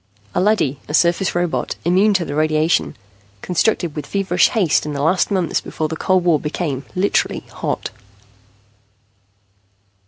A leady, a surface robot, immune to radiation, constructed with feverish haste in the last months before the cold war became literally hot.